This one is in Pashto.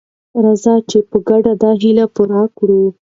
راځئ چې په ګډه دا هیله پوره کړو.